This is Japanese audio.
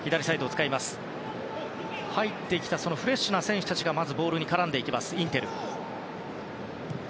入ってきたフレッシュな選手たちがまずボールに絡みますインテル。